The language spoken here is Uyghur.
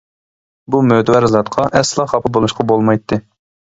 بۇ مۆتىۋەر زاتقا ئەسلا خاپا بولۇشقا بولمايتتى.